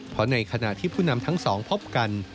เพราะในขณะที่ผู้นำทั้งสองพบกัน